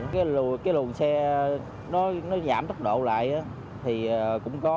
cái lùn xe nó giảm tốc độ lại thì cũng có